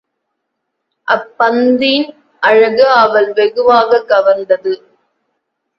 அப் பந்தின் அழகு அவளை வெகுவாகக் கவர்ந்தது.